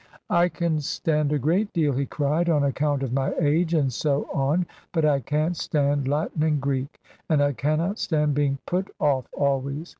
"I can stand a great deal," he cried; "on account of my age, and so on. But I can't stand Latin and Greek, and I cannot stand being put off always.